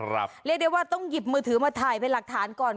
เรียกได้ว่าต้องหยิบมือถือมาถ่ายเป็นหลักฐานก่อน